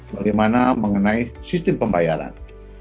bagaimana mengenai sistem pembayaran